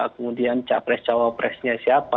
kemudian cawapres cawapres nya siapa